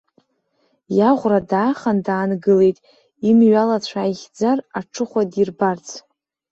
Иаӷәра даахан даангылеит, имҩалацәа ааихьӡар, аҽыхәа дирбарц.